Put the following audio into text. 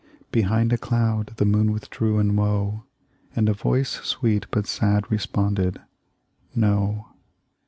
Behind a cloud the moon withdrew in woe, And a voice sweet but sad responded, No.